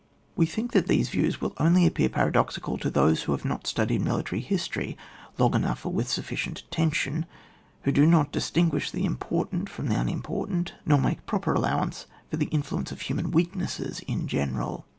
We think that these views will only appear paradoxical to those who have not studied military history long enough or with sufficient attention, who do not distinguish the important from the unim portant, nor make proper allowance for the influence of human weaknesses in general.